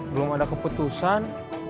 belum ada keputusan